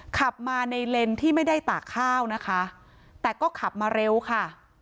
ขับมาในเลนส์ที่ไม่ได้ตากข้าวนะคะแต่ก็ขับมาเร็วค่ะ